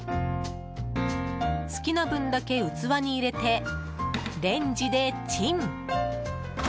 好きな分だけ器に入れてレンジでチン。